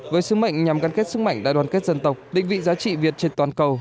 với sứ mệnh nhằm gắn kết sức mạnh đại đoàn kết dân tộc định vị giá trị việt trên toàn cầu